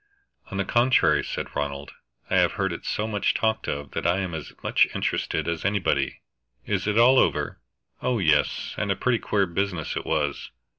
"On the contrary," said Ronald, "I have heard it so much talked of that I am as much interested as anybody. Is it all over?" "Oh yes, and a pretty queer business it was.